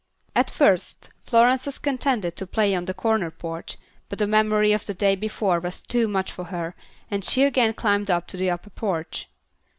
At first Florence was contented to play on the corner porch, but the memory of the day before was too much for her, and she again climbed to the upper porch.